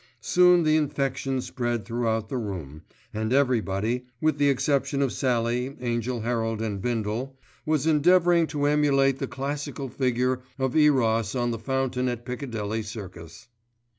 Soon the infection spread throughout the room, and everybody, with the exception of Sallie, Angell Herald and Bindle, was endeavouring to emulate the classical figure of Eros on the fountain at Piccadilly Circus.